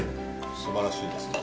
素晴らしいですね